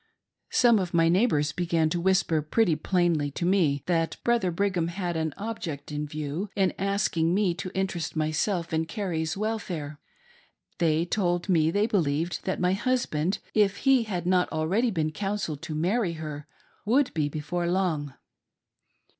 Some of my neighbors began to whisper pretty plainly to me that Brother Brigham had an object in view in asking me to interest myself in Carrie's welfare. They told me they believed that my husband, if he had not already been coun selled to marry her, would be before long.